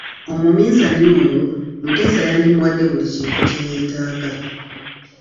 Omuminsani oyo, Muteesa yandimuwadde buli kintu kye yeetaaga.